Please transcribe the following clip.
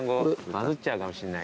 バズっちゃうかもしんない。